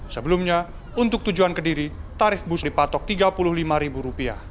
sebelumnya untuk tujuan kediri tarif bus dipatok rp tiga puluh lima